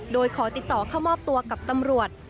โดยขอติดต่อเข้ามอบตัวกับตำรวจ